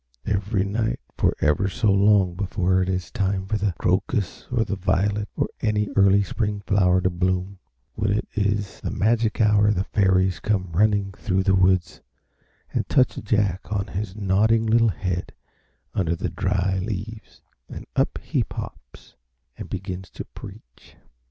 Every night for ever so long before it is time for the crocus or the violet or any early spring flower to bloom, when it is the magic hour the Fairies come running through the woods and touch Jack on his nodding little head under the dry leaves and up he pops and begins to preach.